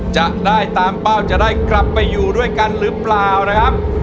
จะได้ตามเป้าจะได้กลับไปอยู่ด้วยกันหรือเปล่านะครับ